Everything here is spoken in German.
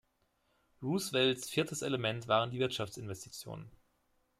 Roosevelts viertes Element waren die Wirtschaftsinvestitionen.